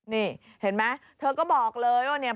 นี่เห็นไหมเธอก็บอกเลยว่าเนี่ย